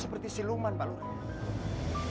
seperti siluman pak lurar